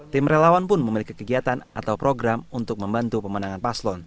tim relawan pun memiliki kegiatan atau program untuk membantu pemenangan paslon